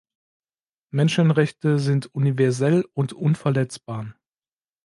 Menschenrechte sind universell und unverletzbar!